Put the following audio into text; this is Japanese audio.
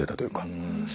うん。